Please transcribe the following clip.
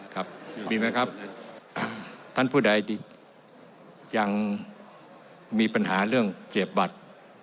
ครับมีไหมครับท่านผู้ใดที่ยังมีปัญหาเรื่องเสียบบัตร